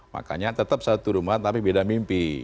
makanya tetap satu rumah tapi beda mimpi